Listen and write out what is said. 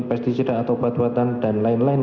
pesticida atau batuatan dan lain lain